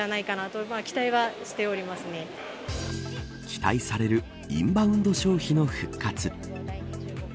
期待されるインバウンド消費の復活。